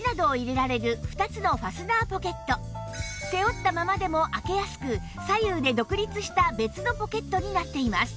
背負ったままでも開けやすく左右で独立した別のポケットになっています